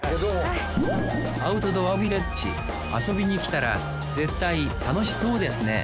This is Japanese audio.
アウトドアヴィレッジ遊びに来たら絶対楽しそうですね